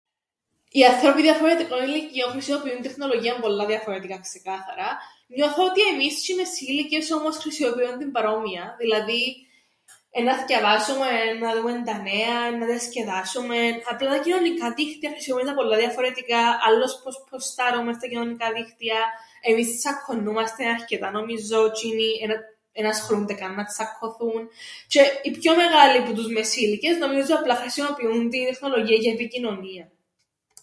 Οι ανθρώποι διαφορετικών ηλικιών χρησιμοποιούν την τεχνολογίαν πολλά διαφορετικά, ξεκάθαρα. Νιώθω ότι εμείς τζ̌αι οι μεσήλικες όμως χρησιμοποιούμεν την παρόμοια, δηλάδή, εννά θκιαβάσουμεν, εννά δούμεν τα νέα, εννά διασκεδάσουμεν, απλά τα κοινωνικά δίκτυα χρησιμοποιούμεν τα πολλά διαφορετικά, άλλως πως πποστάρουμεν στα κοινωνικά δίκτυα, εμείς τσακκωννούμαστεν αρκετά νομίζω, τζ̌είνοι εν ασχολούνται καν να τσακκωθούν τζ̌αι οι πιο μεγάλοι που τους μεσήλικες νομίζω απλά χρησιμοποιούν την τεχνολογίαν για επικοινωνίαν.